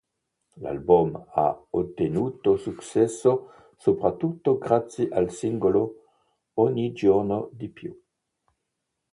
L'album ha ottenuto successo soprattutto grazie al singolo "Ogni giorno di più".